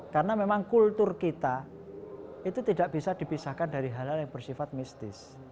karena memang kultur kita itu tidak bisa dipisahkan dari hal hal yang bersifat mistis